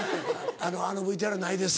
あのＶＴＲないです。